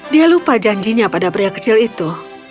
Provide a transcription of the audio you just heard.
dia lupa janjinya pada pria kecil itu